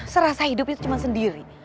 serasa hidup itu cuma sendiri